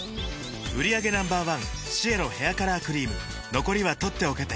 売上№１シエロヘアカラークリーム残りは取っておけて